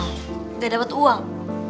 nggak dapet uang